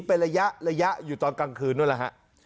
เป็นระยะระยะอยู่ตอนกลางคืนนู้นแหละฮะ